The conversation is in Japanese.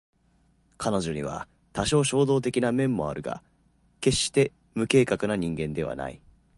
彼女には多少衝動的な面もあるが決して無計画な人間ではない